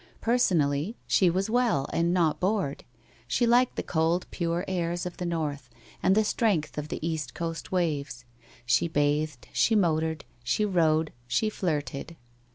Personally, she was well and not bored. She liked the cold pure airs of the North, and the strength of the East Coast waves. She bathed, she motored, she rode, she flirted.